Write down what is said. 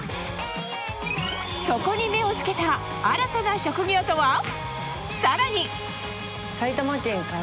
そこに目をつけた新たな職業とは？